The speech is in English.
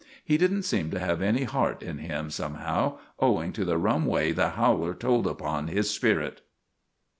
He didn't seem to have any heart in him, somehow, owing to the rum way the howler told upon his spirit.